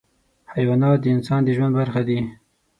حیوانات د انسان د ژوند برخه دي.